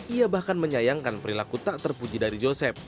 ia bahkan menyayangkan perilaku tak terpuji dari joseph